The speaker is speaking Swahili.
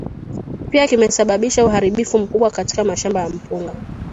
pia kimesababisha uharibifu mkubwa katika mashamba ya mpunga